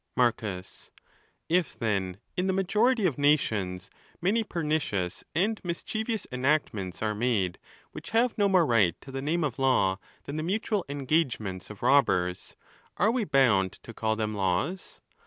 Marcus.—lf, then, in the majority of nations, many per nicious and mischievous enactments are made, which have no more right to the name of law than the mutual engagements of robbers, are we bound to call them laws?